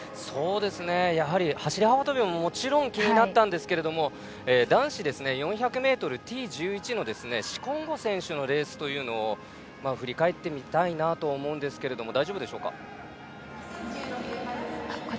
やはり走り幅跳びももちろん気になったんですけど男子の４００ｍＴ１１のシコンゴ選手のレースを振り返ってみたいと思うんですが大丈夫でしょうか。